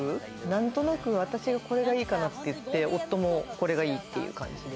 何となく私はこれがいいかなって言って、夫がこれがいいっていう感じで。